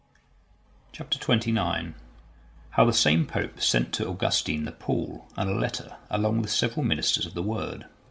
Chap. XXIX. How the same Pope sent to Augustine the Pall and a letter, along with several ministers of the Word.